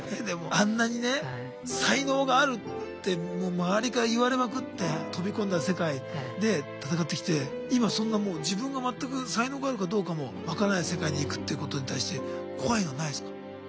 でもあんなにね「才能がある」って周りから言われまくって飛び込んだ世界で戦ってきて今そんなもう自分が全く才能があるかどうかも分からない世界に行くっていうことに対して怖いのはないですか？